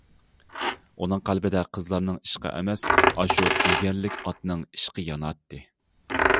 ئۇنىڭ قەلبىدە قىزلارنىڭ ئىشقى ئەمەس، ئاشۇ ئېگەرلىك ئاتنىڭ ئىشقى ياناتتى.